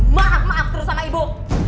maaf maaf terus sama ibu